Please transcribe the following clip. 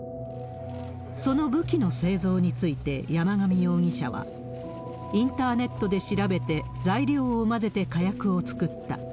その武器の製造について山上容疑者は、インターネットで調べて、材料を混ぜて火薬を作った。